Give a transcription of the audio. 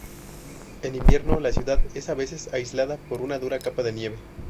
En invierno la ciudad es a veces aislada por una dura capa de nieve.